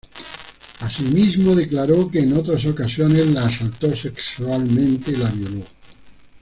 Asimismo, declaró que en otras ocasiones la asaltó sexualmente y la violó.